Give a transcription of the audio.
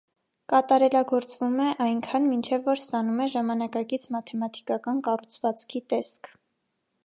Կատարելագործվում է այնքան մինչև, որ ստանում է ժամանակակից մաթեմատիկական կառուցվածքի տեսք։